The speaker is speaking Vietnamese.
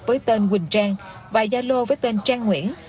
với tên quỳnh trang và gia lô với tên trang nguyễn